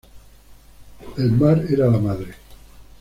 El mar era la madre.